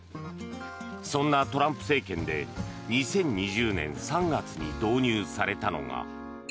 そんなトランプ政権で２０２０年３月に導入されたのが。